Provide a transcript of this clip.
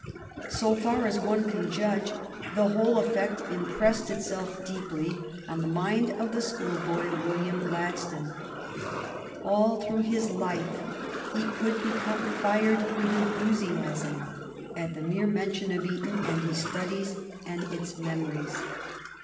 So far as one can judge, the whole effect impressed itself deeply on the mind of the schoolboy William Gladstone. All through his life he could .become fired with enthu siasm at the mere mention of Eton and its studies and its memories.